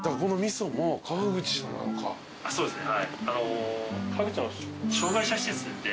そうですね